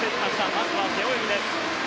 まずは背泳ぎです。